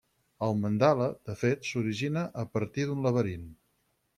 El mandala, de fet, s'origina a partir d'un laberint.